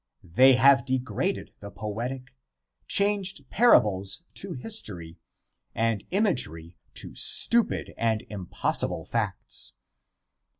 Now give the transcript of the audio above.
They have degraded the poetic, changed parables to history, and imagery to stupid and impossible facts.